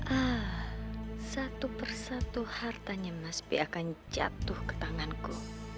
ah satu persatu hartanya mas pi akan jatuh ke tanganku